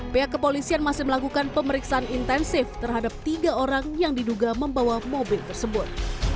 pihak kepolisian masih melakukan pemeriksaan intensif terhadap tiga orang yang diduga membawa mobil tersebut